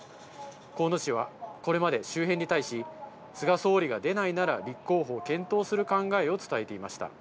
河野氏はこれまで周辺に対し、菅総理が出ないなら立候補を検討する考えを伝えていました。